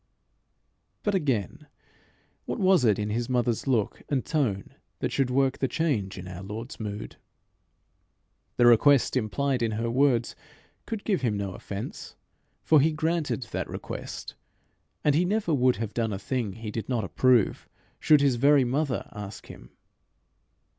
But, again, what was it in his mother's look and tone that should work the change in our Lord's mood? The request implied in her words could give him no offence, for he granted that request; and he never would have done a thing he did not approve, should his very mother ask him.